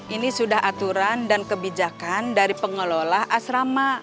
ini sudah aturan dan kebijakan dari pengelola asrama